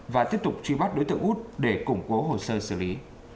và tiếp tục truy bắt đối tượng út để củng cố hồ sơ xử lý